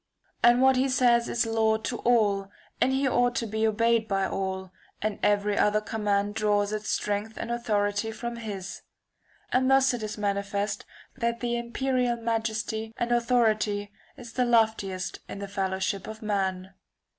And what he says is law to all, and he ought to be obeyed by all, and every other command draws its strength and authority from his. And thus it is manifest that the imperial ] majesty and authority is the loftiest in the fellowship of man.